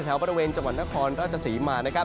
แถวบริเวณจังหวัดนครราชศรีมานะครับ